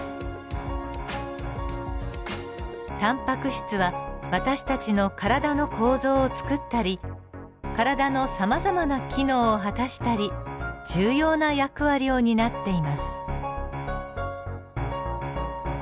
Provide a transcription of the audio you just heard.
タンパク質は私たちの体の構造をつくったり体のさまざまな機能を果たしたり重要な役割を担っています。